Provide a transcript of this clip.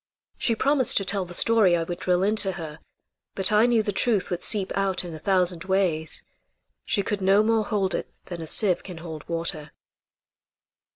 She promised to tell the story I would drill into her, but I knew the truth would seep out in a thousand ways. She could no more hold it than a sieve can hold water.